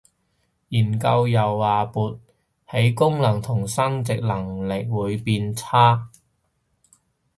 研究又話勃起功能同生殖能力會變差